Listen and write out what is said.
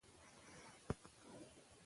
د ټکنالوژۍ کارول د ژوند کیفیت ښه کوي.